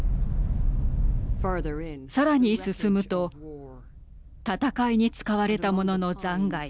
さらに進むと戦いに使われたものの残骸。